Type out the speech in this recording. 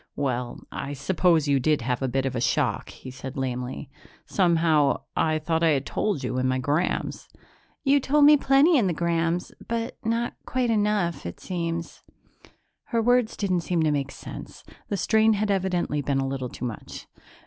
"Well, I suppose you did have a bit of a shock," he said lamely. "Somehow, I thought I had told you in my 'grams." "You told me plenty in the 'grams, but not quite enough, it seems." Her words didn't seem to make sense; the strain had evidently been a little too much.